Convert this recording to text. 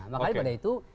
makanya pada itu